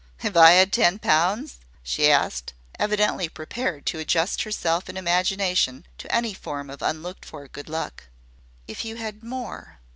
"If I 'ad ten pounds?" she asked, evidently prepared to adjust herself in imagination to any form of un looked for good luck. "If you had more?"